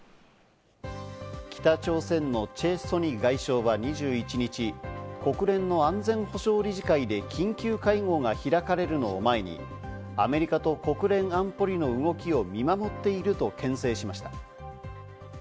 北朝鮮のチェ・ソニ外相は２１日、国連の安全保障理事会で緊急会合が開かれるのを前にアメリカと国連安保理の動きを見守っているとけん制しました。